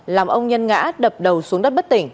làm ông nhân ngã đập đầu xuống đất